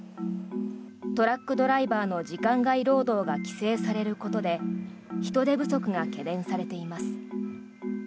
トラックドライバーの時間外労働が規制されることで人手不足が懸念されています。